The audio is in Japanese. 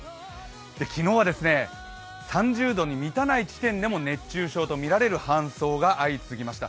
昨日は３０度に満たない地点でも熱中症とみられる搬送が相次ぎました。